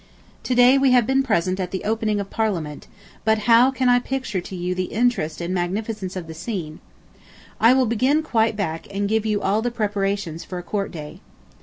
To day we have been present at the opening of Parliament, but how can I picture to you the interest and magnificence of the scene. I will begin quite back, and give you all the preparations for a "Court Day."